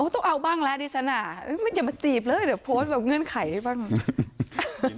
ต้องเอาบ้างแล้วดิฉันอย่ามาจีบเลยเดี๋ยวโพสต์แบบเงื่อนไขบ้าง